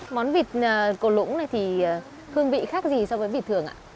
món vịt cổ lũng này thì hương vị khác gì so với vịt thường ạ